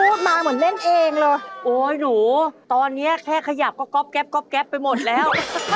โอ้โฮหนูตอนนี้แค่ขยับก็ก๊อบแก๊บไปหมดแล้ว